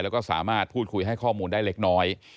แล้วก็สามารถพูดคุยให้ข้อมูลได้เล็กน้อย